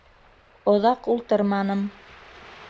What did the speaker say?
Оҙаҡ ултырманым.